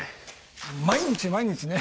毎日毎日ね